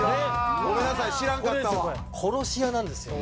殺し屋なんですよ。